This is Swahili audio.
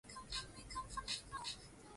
Bado, tafauti sana, kwa pato na mengineyo